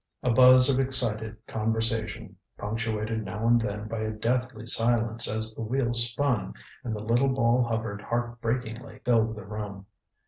A buzz of excited conversation, punctuated now and then by a deathly silence as the wheel spun and the little ball hovered heart breakingly, filled the room.